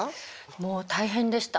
もう大変でした。